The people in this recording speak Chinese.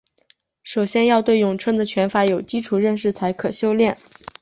首先要对咏春的拳法有基础认识才可修练。